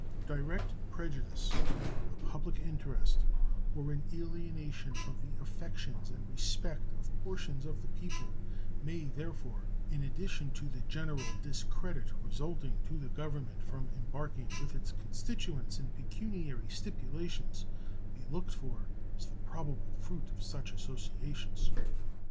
Direct prejudice the public interest or an alienation of the affections and respect of portions of the people may, therefore, in addition to the general discredit resulting to the Government from embarking with its constituents in pecuniary stipulations, be looked for as the probable fruit of such associations.